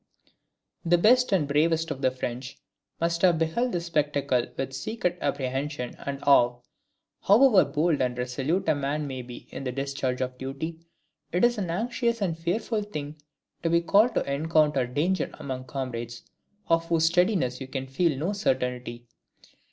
The best and bravest of the French must have beheld this spectacle with secret apprehension and awe. However bold and resolute a man may be in the discharge of duty, it is an anxious and fearful thing to be called on to encounter danger among comrades of whose steadiness you can feel no certainty.